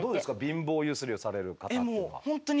貧乏ゆすりをされる方っていうのは。